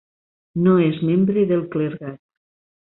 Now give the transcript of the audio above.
No és membre del clergat.